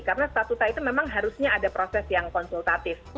karena statuta itu memang harusnya ada proses yang konsultatif